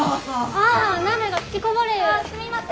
ああすみません！